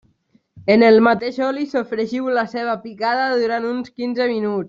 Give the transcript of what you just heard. En el mateix oli sofregiu la ceba picada durant uns quinze minuts.